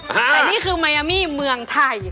แต่นี่คือมายามี่เมืองไทย